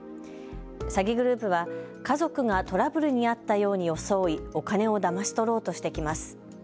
詐欺グループは、家族がトラブルに遭ったように装いお金をだまし取ろうとしてきます。